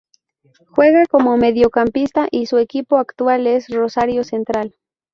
Juega como mediocampista y su equipo actual es Rosario Central.